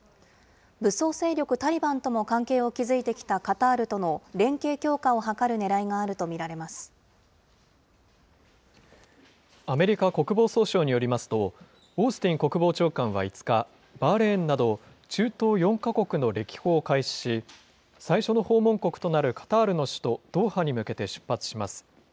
武装勢力タリバンとも関係を築いてきたカタールとの連携強化を図アメリカ国防総省によりますと、オースティン国防長官は５日、バーレーンなど中東４か国の歴訪を開始し、最初の訪問国となるカタールの首都ドーハに向けて出発します。